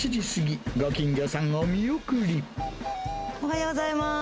おはようございます。